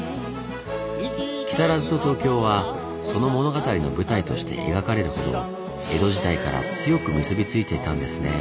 木更津と東京はその物語の舞台として描かれるほど江戸時代から強く結びついていたんですねぇ。